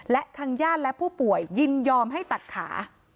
และทางญาติและผู้ป่วยยินยอมให้ตัดขา